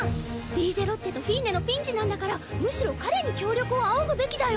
リーゼロッテとフィーネのピンチなんだからむしろ彼に協力を仰ぐべきだよ。